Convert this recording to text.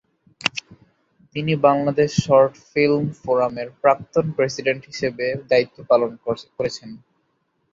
তিনি Bangladesh short film ফোরামের প্রাক্তন প্রেসিডেন্ট হিসেবে দায়িত্ব পালন করেছেন।